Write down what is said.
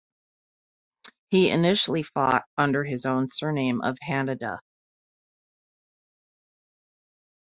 He initially fought under his own surname of Hanada.